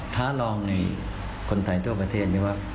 ท้าลองในคนไทยทั่วประเทศนี้ว่า